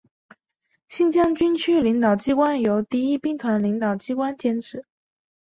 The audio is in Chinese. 新疆军区领导机关由第一兵团领导机关兼。